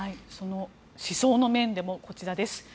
その思想の面でもこちらです。